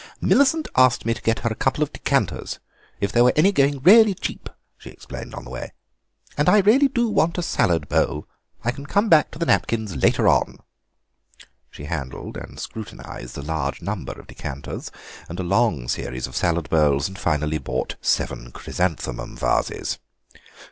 "Millicent asked me to get her a couple of decanters if there were any going really cheap," she explained on the way, "and I really do want a salad bowl. I can come back to the napkins later on." She handled and scrutinised a large number of decanters and a long series of salad bowls, and finally bought seven chrysanthemum vases.